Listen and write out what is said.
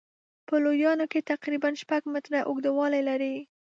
په لویانو کې تقریبا شپږ متره اوږدوالی لري.